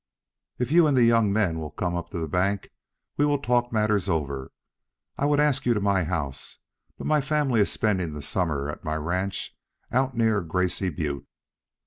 "If you and the young men will come up to the bank we will talk matters over. I would ask you to my house, but my family is spending the summer at my ranch out near Gracy Butte."